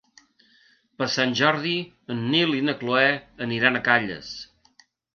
Per Sant Jordi en Nil i na Cloè aniran a Calles.